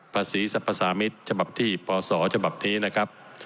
ภาษีสรรพสามิตรฉบับที่ปศฉบับนี้นะครับ